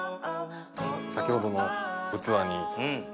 先ほどの器に。